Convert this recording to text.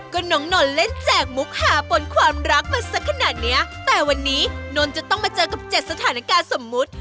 ก็น้องนนท์เล่นแจกมุกหาปนความรักมาสักขนาดเนี้ยแต่วันนี้นนท์จะต้องมาเจอกับเจ็ดสถานการณ์สมมุติ